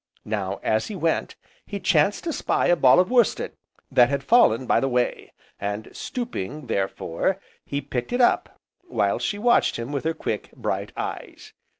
Now, as he went, he chanced to spy a ball of worsted that had fallen by the way, and stooping, therefore, he picked it up, while she watched him with her quick, bright eyes.